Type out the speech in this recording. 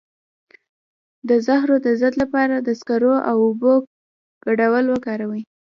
د زهرو د ضد لپاره د سکرو او اوبو ګډول وکاروئ